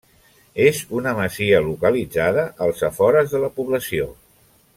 És una masia localitzada als afores de la població.